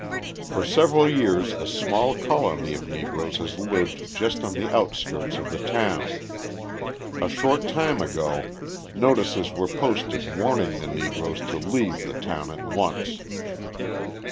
For several years a small colony of Negroes has lived just on the outskirts of the town. A short time ago notices were posted warning the Negroes to leave the town at once.